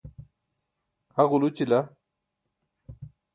ha ġulućila